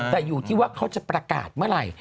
แต่อยู่ที่ว่าเขาจะประกาศเมื่อไหร่